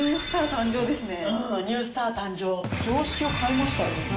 うん、常識を変えましたね。